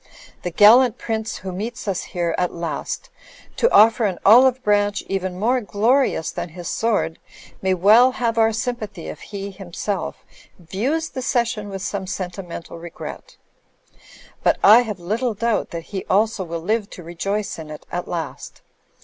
The gallant prince who meets us here at last, to offer an olive branch even more glorious than his sword, may well have our S3mipathy if he himself views the cession with some sentimental regret; but I have little doubt that he also will live to rejoice in it at last.